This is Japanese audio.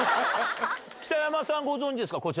北山さん、ご存じですか？